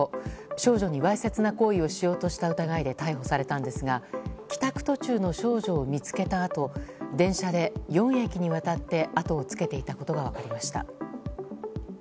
少女にわいせつな行為をしようとした疑いで逮捕されたんですが帰宅途中の少女を見つけたあと電車で４駅にわたってあとをつけていたことが分かりました。